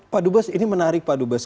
pak dubas ini menarik pak dubas